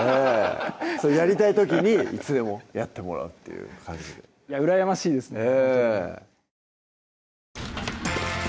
やりたい時にいつでもやってもらうっていう感じで羨ましいですね